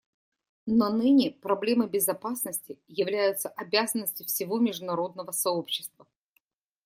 Но ныне проблемы безопасности являются обязанностью всего международного сообщества.